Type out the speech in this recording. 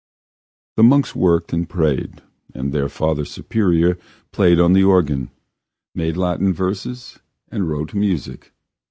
The monks worked and prayed, and their Father Superior played on the organ, made Latin verses, and wrote music.